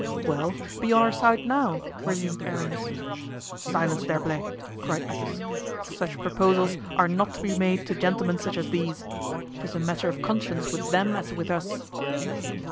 "Well, be on our side now," resumed Aramis. "Silence, D'Herblay!" cried Athos; "such proposals are not to be made to gentlemen such as these. 'Tis a matter of conscience with them, as with us."